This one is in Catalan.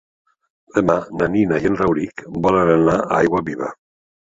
Demà na Nina i en Rauric volen anar a Aiguaviva.